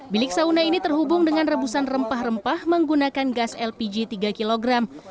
bilik sauna ini terhubung dengan rebusan rempah rempah menggunakan gas lpg tiga kg